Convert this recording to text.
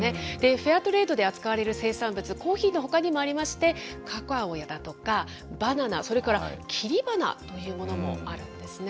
フェアトレードで扱われる生産物、コーヒーのほかにもありまして、カカオだとかバナナ、それから切り花というものもあるんですね。